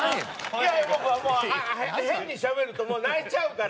いやいやもう変にしゃべると泣いちゃうから。